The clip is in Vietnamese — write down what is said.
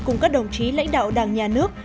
cùng các đồng chí lãnh đạo đảng nhà nước